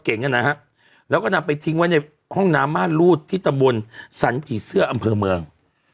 นะฮะแล้วก็นำไปทิ้งไว้ในห้องน้ำม่านรูดที่ตำบลสันผีเสื้ออำเภอเมือง